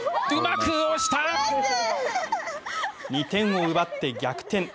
２点を奪って逆転。